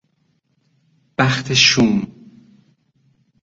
بخت شوم